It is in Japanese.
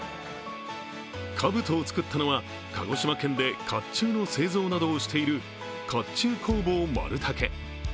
かぶとを作ったのは、鹿児島県でかっちゅうの製造などをしている甲冑工房丸武。